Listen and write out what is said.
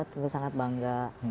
tentu sangat bangga